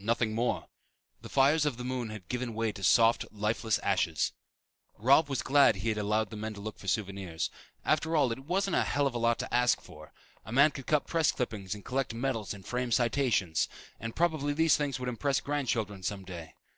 Nothing more. The fires of the moon had given way to soft lifeless ashes. Robb was glad he had allowed the men to look for souvenirs. After all, it wasn't a hell of a lot to ask for. A man could cut press clippings and collect medals and frame citations; and probably these things would impress grandchildren someday.